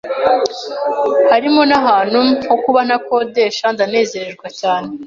harimo n’ahantu ho kuba ntakodeshandanezerwa cyane